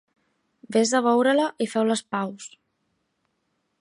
Vés a veure-la i feu les paus.